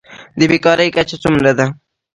د بیکارۍ کچه څومره ده؟